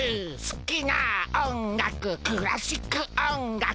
すきな音楽クラシック音楽